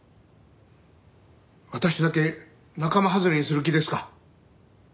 私だけ仲間外れにする気ですか。